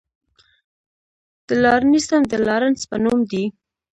د لارنسیم د لارنس په نوم دی.